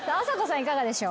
いかがでしょう。